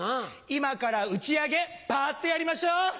今から打ち上げパっとやりましょう！